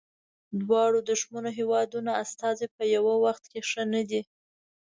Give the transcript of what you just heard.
دواړو دښمنو هیوادونو استازي په یوه وخت کې ښه نه دي.